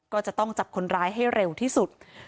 ก็จะต้องจับคนร้ายให้เร็วที่สุด